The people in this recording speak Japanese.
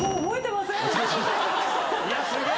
いやすげえ！